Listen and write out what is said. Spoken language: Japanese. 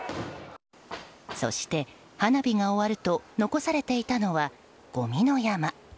そして、花火が終わると残されていたのはごみの山。